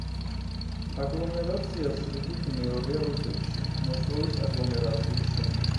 აგლომერაცია სიდიდით მეორეა რუსეთში, მოსკოვის აგლომერაციის შემდეგ.